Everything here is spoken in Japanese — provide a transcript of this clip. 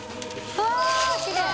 うわっきれい！